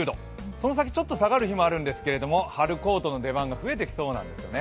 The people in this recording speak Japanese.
その先、ちょっと下がる日もあるんですけど春コートの出番が増えてきそうなんですね。